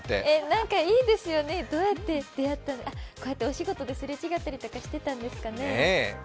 なんかいいですよね、どうやって出会ってこうやって、お仕事ですれ違ったりしてたんですかね。